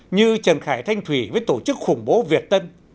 như trần khải thanh thủy với tổ chức khủng bố việt tân